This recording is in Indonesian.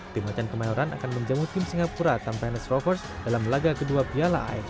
tim hacan kemayoran akan menjemput tim singapura tampines rovers dalam laga kedua biala afg